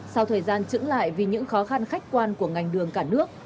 sau thời gian trứng lại vì những khó khăn khách quan của ngành đường cả nước